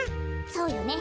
そうよね。